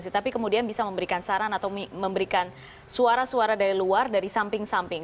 tapi kemudian bisa memberikan saran atau memberikan suara suara dari luar dari samping samping